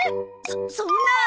そそんな。